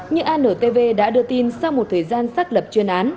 như antv đã đưa tin sau một thời gian xác lập chuyên án